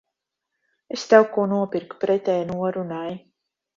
Es tev ko nopirku pretēji norunai.